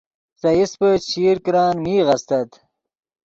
سے ایسپے چشیر کرن میغ استت